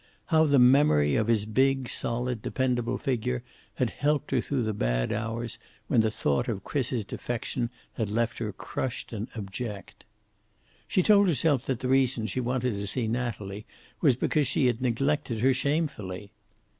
How the memory of his big, solid, dependable figure had helped her through the bad hours when the thought of Chris's defection had left her crushed and abject. She told herself that the reason she wanted to see Natalie was because she had neglected her shamefully.